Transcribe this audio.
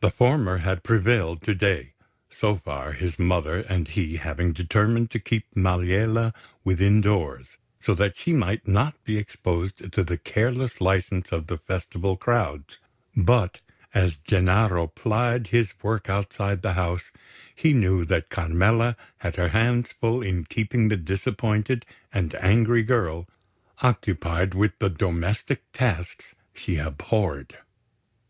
The former had prevailed to day, so far, his mother and he having determined to keep Maliella within doors, so that she might not be exposed to the careless licence of the Festival crowds; but as Gennaro plied his work outside the house, he knew that Carmela had her hands full in keeping the disappointed and angry girl occupied with the domestic tasks she abhorred.